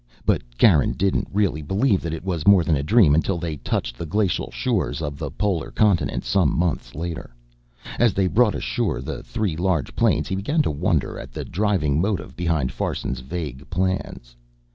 But Garin didn't really believe that it was more than a dream until they touched the glacial shores of the polar continent some months later. As they brought ashore the three large planes, he began to wonder at the driving motive behind Farson's vague plans.